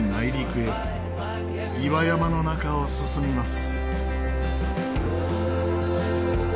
岩山の中を進みます。